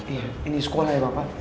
iya ini sekolah ya bapak